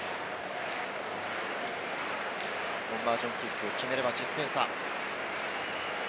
コンバージョンキック、決めれば１０点差。